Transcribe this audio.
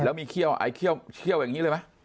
แล้วมีเขี้ยวไอ้เขี้ยวอย่างนี้เลยไหม